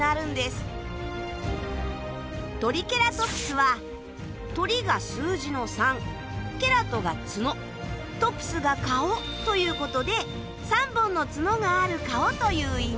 トリケラトプスはトリが数字の３ケラトが角トプスが顔ということで３本の角がある顔という意味。